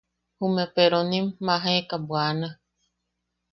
Jume peronim majaika bwana.